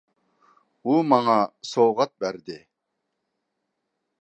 -ئۇ ماڭا سوۋغات بەردى!